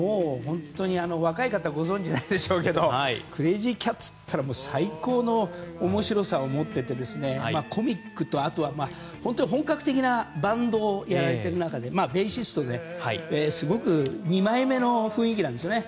若い方はご存じないでしょうけどクレイジー・キャッツといったら最高の面白さをもってコミックとあとは本格的なバンドをやられてる中でベーシストで、すごく二枚目な雰囲気なんですよね。